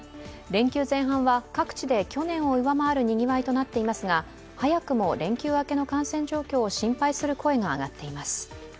連休前半は、各地で去年を上回るにぎわいとなっていますが、早くも連休明けの感染状況を心配する声が上がっています。